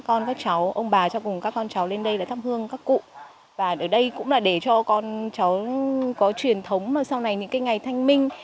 ở đây cũng là để cho con cháu có truyền thống mà sau này những cái ngày thanh minh